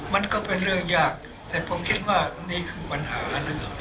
มันก็เป็นเรื่องยากแต่ผมคิดว่านี่คือปัญหาอันหนึ่ง